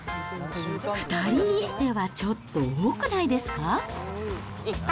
２人にしてはちょっと多くないですか？